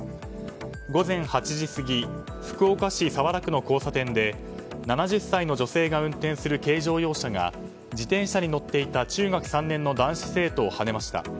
午前８時過ぎ福岡市早良区の交差点で７０歳の女性が運転する軽乗用車が自転車に乗っていた中学３年の男子生徒をはねました。